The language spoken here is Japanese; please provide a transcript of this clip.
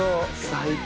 最高！